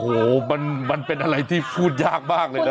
โอ้โหมันเป็นอะไรที่พูดยากมากเลยนะ